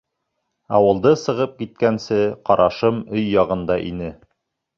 Ауылды сығып киткәнсе, ҡарашым өй яғында ине...